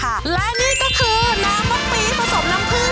และนี่ก็คือน้ำมั๊กปี๊สผสมน้ำพรึ่งค่า